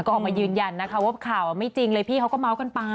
ก็ออกมายืนยันนะคะว่าข่าวไม่จริงเลยพี่เขาก็เมาส์กันไป